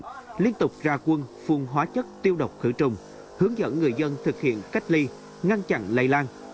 liên tục ra quân phun hóa chất tiêu độc khử trùng hướng dẫn người dân thực hiện cách ly ngăn chặn lây lan